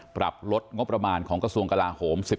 ปรับลดงบประมาณของกระทรวงกลาโหม